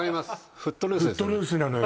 「フットルース」なのよ